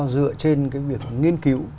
dựa trên cái việc nghiên cứu